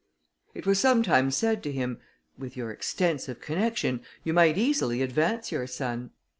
It was sometimes said to him, "With your extensive connection, you might easily advance your son."